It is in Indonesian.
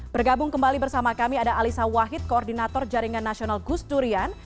bergabung kembali bersama kami ada alisa wahid koordinator jaringan nasional gus durian